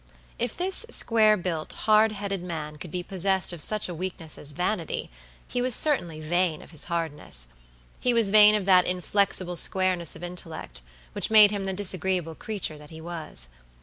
If this square built, hard headed man could be possessed of such a weakness as vanity, he was certainly vain of his hardness. He was vain of that inflexible squareness of intellect, which made him the disagreeable creature that he was.